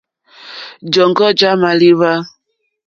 Jɔ̀ŋɡɔ́ já !málíwá.